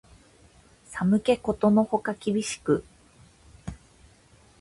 寒気ことのほか厳しく